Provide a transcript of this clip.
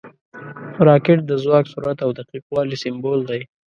راکټ د ځواک، سرعت او دقیق والي سمبول دی